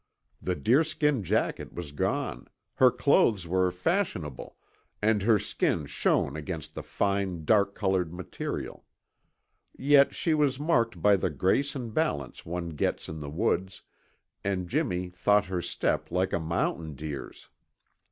The deerskin jacket was gone, her clothes were fashionable and her skin shone against the fine dark colored material. Yet she was marked by the grace and balance one gets in the woods, and Jimmy thought her step like a mountain deer's.